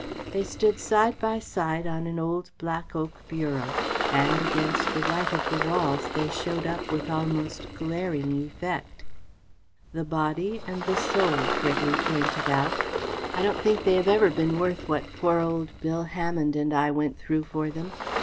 They stood side by side on an old black oak bureau, and against the white of the walls they showed up with almost glaring effect. "The Body and the Soul," Gregory pointed out. "I don't think they have ever been worth what poor old Bill Hammonde and I went through for them.